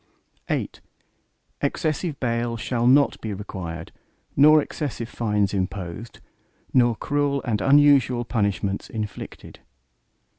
VIII Excessive bail shall not be required nor excessive fines imposed, nor cruel and unusual punishments inflicted.